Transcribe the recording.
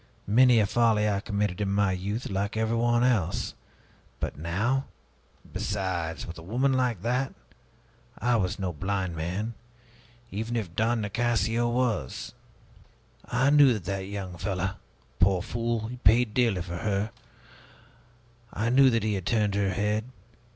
Many a folly I committed in my youth, like everyone else. But now Besides, with a woman like that! I was no blind man, even if Don Nicasio was. I knew that that young fellow poor fool, he paid dearly for her I knew that he had turned her head.